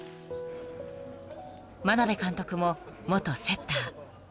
［眞鍋監督も元セッター］